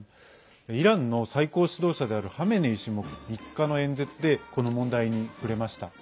イランの最高指導者であるハメネイ師も３日の演説でこの問題に触れました。